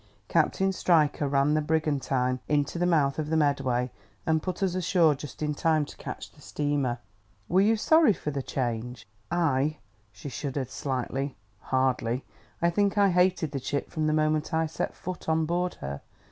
Captain Stryker ran the brigantine into the mouth of the Medway and put us ashore just in time to catch the steamer." "Were you sorry for the change?" "I?" She shuddered slightly. "Hardly! I think I hated the ship from the moment I set foot on board her.